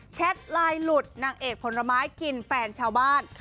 ไลน์หลุดนางเอกผลไม้กินแฟนชาวบ้าน